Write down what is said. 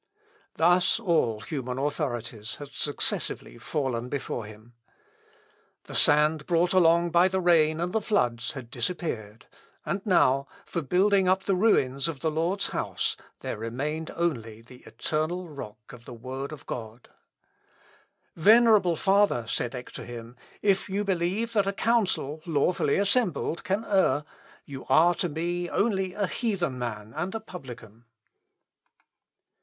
Thus all human authorities had successively fallen before him. The sand brought along by the rain and the floods had disappeared; and now, for building up the ruins of the Lord's house, there remained only the eternal rock of the Word of God. "Venerable father!" said Eck to him, "if you believe that a council, lawfully assembled, can err, you are to me only a heathen man and a publican."